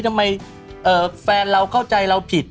ทำไมแฟนเราเข้าใจเราผิด